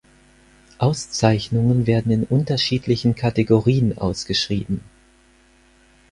Auszeichnungen werden in unterschiedlichen Kategorien ausgeschrieben.